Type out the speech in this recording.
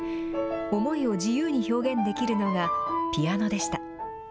思いを自由に表現できるのがピアノでした。